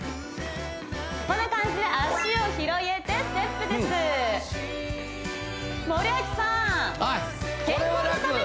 こんな感じで脚を広げてステップです森脇さん